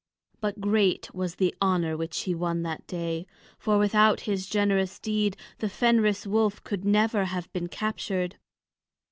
But great was the honor which he won that day, for without his generous deed the Fenris wolf could never have been captured.